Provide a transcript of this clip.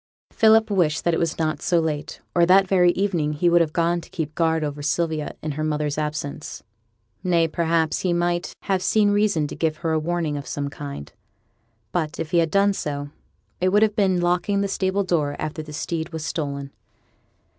Philip wished that it was not so late, or that very evening he would have gone to keep guard over Sylvia in her mother's absence nay, perhaps he might have seen reason to give her a warning of some kind. But, if he had done so, it would have been locking the stable door after the steed was stolen.